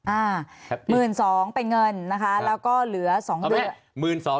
อ่า๑๒๐๐เป็นเงินนะคะแล้วก็เหลือ๒เดือน